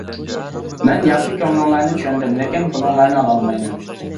مەن ياخشى كۆڭلۈڭلارنى چۈشەندىم، لېكىن پۇلۇڭلارنى ئالالمايمەن.